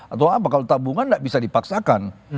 atau apa kalau tabungan tidak bisa dipaksakan